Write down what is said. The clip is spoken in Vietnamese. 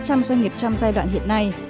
trong doanh nghiệp trong giai đoạn hiện nay